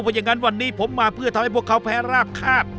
อย่างนั้นวันนี้ผมมาเพื่อทำให้พวกเขาแพ้รากคาบ